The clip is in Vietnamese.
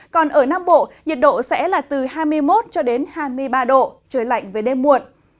còn ở nam bộ nhiệt độ sẽ là từ hai mươi một cho đến hai mươi ba độ trời lạnh về đêm muộn